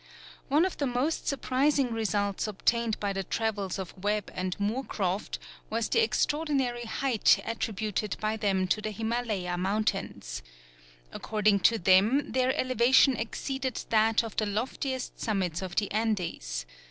One of the most surprising results obtained by the travels of Webb and Moorcroft was the extraordinary height attributed by them to the Himalaya mountains. According to them their elevation exceeded that of the loftiest summits of the Andes.